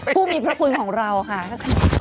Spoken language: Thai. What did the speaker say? ผู้มีพระคุณของเราค่ะ